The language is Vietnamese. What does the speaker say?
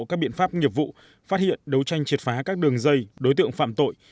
các biện pháp nghiệp vụ phát hiện đấu tranh triệt phá các đường dây đối tượng phạm tội